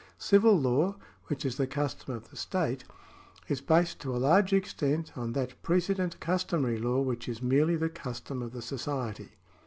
Civil law, which is the custom of the state, is based to a large extent on that precedent customary law which is merely the custom of the society.